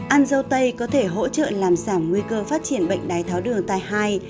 ăn dâu tây có thể hỗ trợ làm giảm nguy cơ phát triển bệnh đái tháo đường tai hai